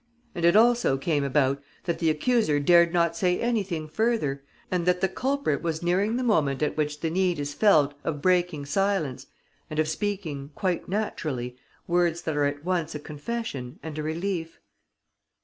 And it also came about that the accuser dared not say anything further and that the culprit was nearing the moment at which the need is felt of breaking silence and of speaking, quite naturally, words that are at once a confession and a relief.